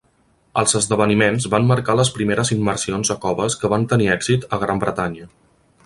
Els esdeveniments van marcar les primeres immersions a coves que van tenir èxit a Gran Bretanya.